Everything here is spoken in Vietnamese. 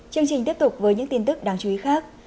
chương trình tiếp tục với những tin tức đáng chú ý khác